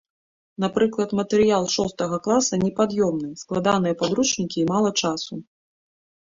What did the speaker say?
Напрыклад, матэрыял шостага класа непад'ёмны, складаныя падручнікі і мала часу.